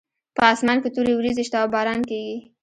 په اسمان کې تورې وریځې شته او باران کیږي